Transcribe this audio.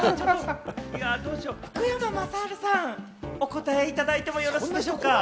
福山雅治さん、お答えいただいてもよろしいでしょうか？